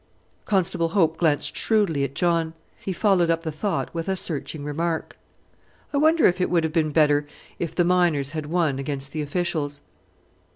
Constable Hope glanced shrewdly at John. He followed up the thought with a searching remark. "I wonder if it would have been better if the miners had won against the officials."